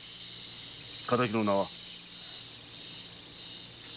敵の名は？